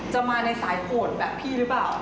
จะมาในสายโหดแบบพี่หรือเปล่า